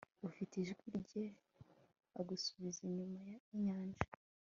Ufite ijwi rye agusubiza inyuma y injyana